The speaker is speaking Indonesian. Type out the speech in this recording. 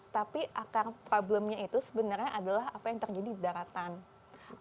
tapi akar problemnya itu sebenarnya adalah apa yang terjadi di daratan